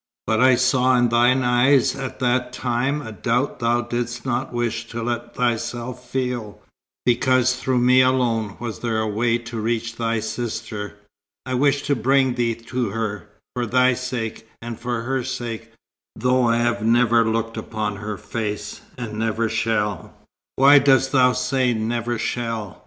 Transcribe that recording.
But I saw in thine eyes at that time a doubt thou didst not wish to let thyself feel, because through me alone was there a way to reach thy sister. I wished to bring thee to her, for thy sake, and for her sake, though I have never looked upon her face and never shall " "Why dost thou say 'never shall'?"